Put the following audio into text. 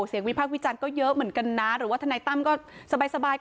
วิพากษ์วิจารณ์ก็เยอะเหมือนกันนะหรือว่าทนายตั้มก็สบาย